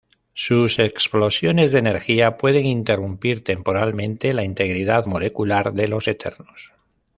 Sus explosiones de energía pueden interrumpir temporalmente la integridad molecular de los Eternos.